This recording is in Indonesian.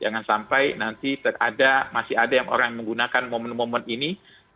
jangan sampai nanti masih ada yang orang yang menggunakan momen momen ini